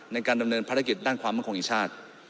ในการดำเนินภารกิจด้านความมั่นคงแห่งชาติ